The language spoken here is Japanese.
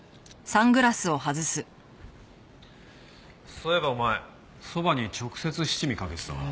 そういえばお前そばに直接七味かけてたな。